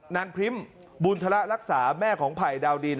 นางคริมบุญธรรมรักษาแม่ของภัยดาวดิน